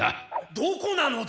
どこなのだ！？